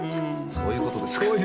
そういうことです。